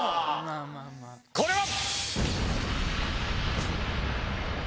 これは？